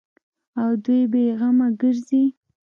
او دوى بې غمه گرځي.